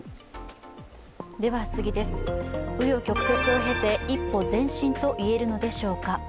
紆余曲折を経て一歩前進といえるのでしょうか。